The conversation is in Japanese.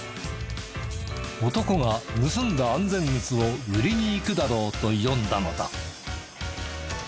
男が盗んだ安全靴を売りに行くだろうと読んだのだ。